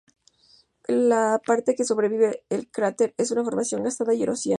La parte que sobrevive del cráter es una formación gastada y erosionada.